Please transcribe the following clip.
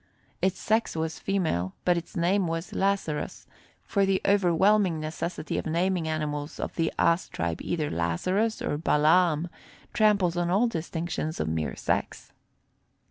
Its sex was female, but its name was Lazarus, for the overwhelming necessity of naming animals of the ass tribe either Lazarus or Balaam tramples on all distinctions of mere sex.